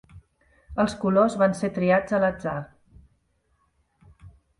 Els colors van ser triats a l'atzar.